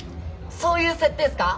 そういう設定っすか？